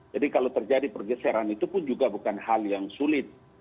jadi kalau terjadi pergeseran itu pun juga bukan hal yang sulit